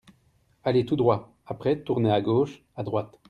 Allez tout droit ! Après tournez à gauche/ à droite !